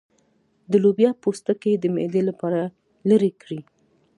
د لوبیا پوستکی د معدې لپاره لرې کړئ